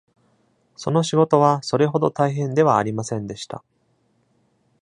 その仕事はそれほど大変ではありませんでした。